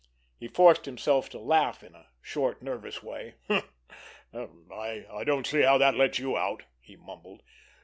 He forced himself to laugh in a short, nervous way. "I don't see how that lets you out," he mumbled.